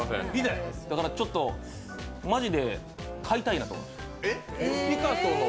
だからちょっと、マジで買いたいなと思って。